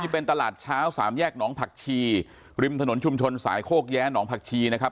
เป็นตลาดเช้าสามแยกหนองผักชีริมถนนชุมชนสายโคกแย้หนองผักชีนะครับ